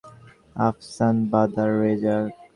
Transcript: আফশান বাদার রেজাক।